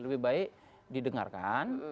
lebih baik didengarkan